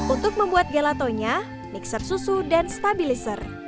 untuk membuat gelatonya mixer susu dan stabilizer